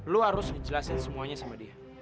lu harus dijelasin semuanya sama dia